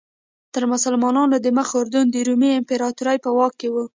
تر مسلمانانو دمخه اردن د رومي امپراتورۍ په واک کې و.